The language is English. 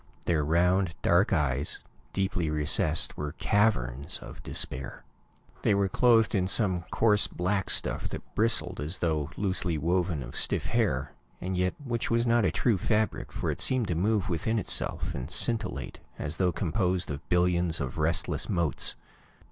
Their round, dark eyes, deeply recessed, were caverns of despair. They were clothed in some coarse, black stuff that bristled as though loosely woven of stiff hair, and yet which was not a true fabric, for it seemed to move within itself, and scintillate, as though composed of billions of restless motes.